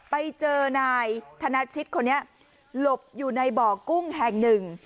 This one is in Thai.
ไปเจอนายธนชิตคนนี้หลบอยู่ในบ่อกุ้งแห่งหนึ่ง